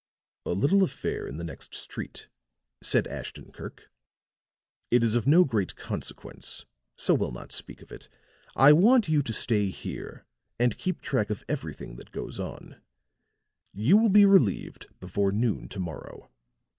"A little affair in the next street," said Ashton Kirk. "It is of no great consequence, so we'll not speak of it. I want you to stay here and keep track of everything that goes on; you will be relieved before noon to morrow."